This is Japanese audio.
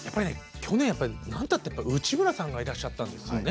去年なんて言ったって内村さんがいらっしゃったんですよね。